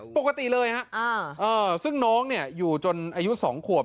ปกติเลยฮะซึ่งน้องอยู่จนอายุ๒ขวบ